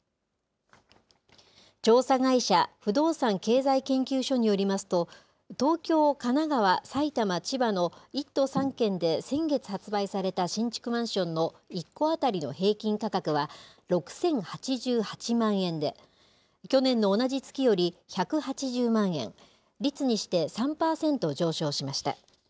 調査会社、不動産経済研究所によりますと、東京、神奈川、埼玉、千葉の１都３県で先月発売された新築マンションの１戸当たりの平均価格は６０８８万円で、去年の同じ月より１８０万円、率にして３％上昇しました。